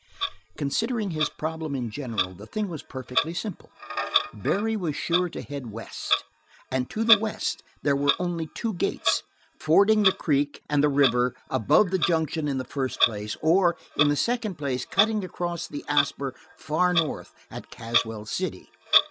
Considering his problem in general, the thing was perfectly simple: Barry was sure to head west, and to the west there were only two gates fording the creek and the river above the junction in the first place, or in the second place cutting across the Asper far north at Caswell City.